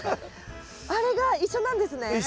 あれが一緒なんですね。